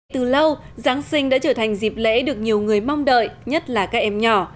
từ lâu giáng sinh đã trở thành dịp lễ được nhiều người mong đợi nhất là các em nhỏ